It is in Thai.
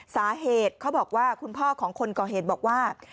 สาเหตุเขาบอกว่าคุณพ่อของคนก่อเหตุบอกว่า